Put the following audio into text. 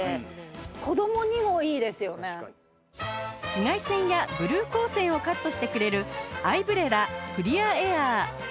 紫外線やブルー光線をカットしてくれるアイブレラクリアエアー